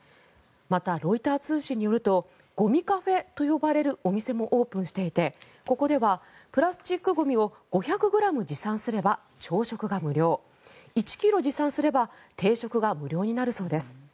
また、ロイター通信によるとゴミカフェと呼ばれるお店もオープンしていてここではプラスチックゴミを５００ｇ持参すれば朝食が無料１ｋｇ持参すれば定食が無料になるそうです。